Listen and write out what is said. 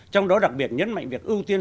trong đó đặc biệt nhấn mạnh việc ưu tiên